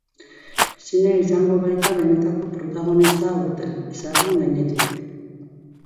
Zinea izango baita benetako protagonista aurten, izarren gainetik.